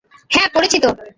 হ্যাঁ পড়েছি তো।